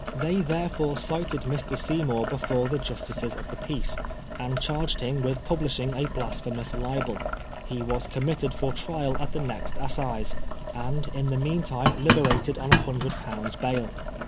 They therefore cited Mr. Seymour before Qie Justices of Uie Peace, and charged him with pub lishing a blasphemous libel. He was committed for trial at the next assizes, and in the meantime liberated on a hundred pounds bail.